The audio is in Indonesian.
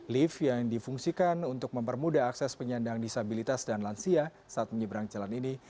lift yang difungsikan untuk mempermudah akses penyandang disabilitas dan lansia saat menyeberang jalan ini